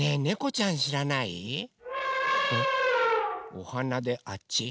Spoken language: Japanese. おはなであっち？